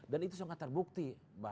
dan itu sangat terbukti